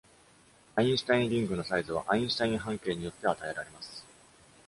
アインシュタインリングのサイズは、アインシュタイン半径によって与えられます。